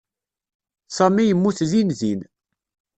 Sami yemmut dindin.